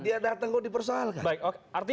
dia datang kok dipersoalkan